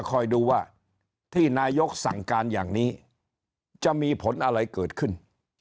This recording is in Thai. คอยดูว่าที่นายกสั่งการอย่างนี้จะมีผลอะไรเกิดขึ้น